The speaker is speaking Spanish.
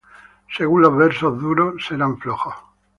Serán los versos duros, serán flojos